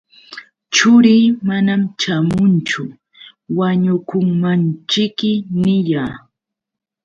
Churii manam ćhaamunchu, wañukunmanćhiki niyaa.